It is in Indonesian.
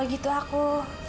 kalau gitu aku